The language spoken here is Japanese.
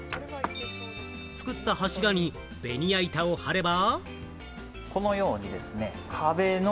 作った柱にベニヤ板を張れば。